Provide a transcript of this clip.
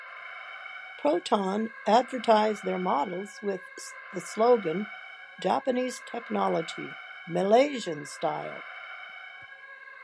Proton advertised their models with the slogan "Japanese Technology, Malaysian Style".